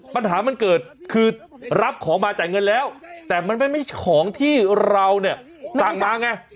ปัญหามันเกิดคือรับของมาจ่ายเงินแล้วแต่มันไม่ใช่ของที่เราเนี่ยสั่งมาไง